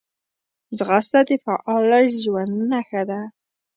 ځغاسته د فعاله ژوند نښه ده